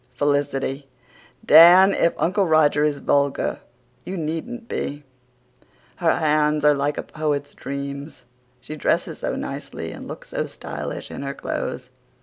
FELICITY: "Dan! if Uncle Roger is vulgar you needn't be!") Her hands are like a poet's dreams. She dresses so nicely and looks so stylish in her clothes.